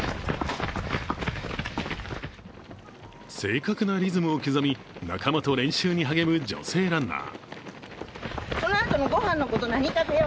正確なリズムを刻み仲間と練習に励む女性ランナー。